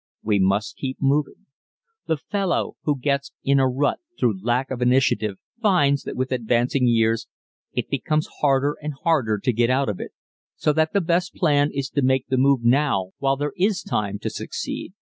We must keep moving. The fellow who gets in a rut through lack of initiative finds that with advancing years it becomes harder and harder to get out of it, so that the best plan is to make the move now while there is time to succeed.